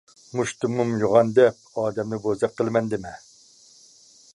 مۇشتۇمۇم يوغان دەپ ئادەمنى بوزەك قىلىمەن دېمە!